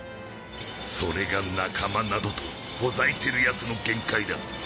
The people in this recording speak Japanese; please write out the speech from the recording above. それが仲間などとほざいてるやつの限界だ。